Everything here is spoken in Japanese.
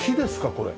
これ。